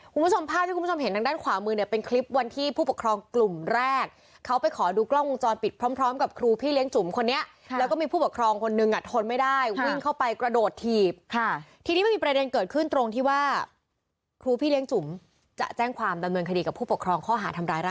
คุณผู้ชมภาพที่คุณผู้ชมเห็นทางด้านขวามือเนี่ยเป็นคลิปวันที่ผู้ปกครองกลุ่มแรกเขาไปขอดูกล้องวงจรปิดพร้อมกับครูพี่เลี้ยงจุ๋มคนนี้แล้วก็มีผู้ปกครองคนนึงอ่ะทนไม่ได้วิ่งเข้าไปกระโดดถีบค่ะทีนี้มันมีประเด็นเกิดขึ้นตรงที่ว่าครูพี่เลี้ยงจุ๋มจะแจ้งความดำเนินคดีกับผู้ปกครองข้อหาทำร้ายร่าง